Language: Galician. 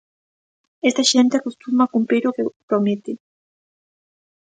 Esta xente acostuma a cumprir o que promete.